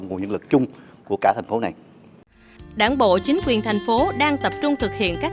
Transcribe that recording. nguồn nhân lực chung của cả thành phố này đảng bộ chính quyền thành phố đang tập trung thực hiện các